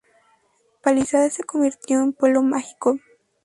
Palizada se convirtió en Pueblo Mágico.